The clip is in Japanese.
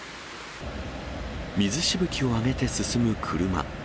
水しぶきを上げて進む車。